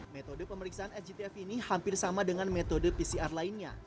metode pemeriksaan sgtf ini hampir sama dengan metode pcr lainnya